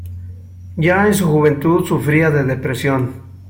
Ya en su juventud sufría de depresión.